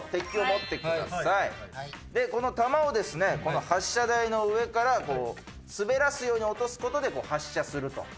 この球を発射台の上から滑らすように落とすことで発射すると。